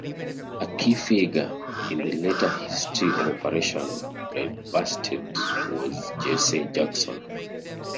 A key figure in the later history of Operation Breadbasket was Jesse Jackson.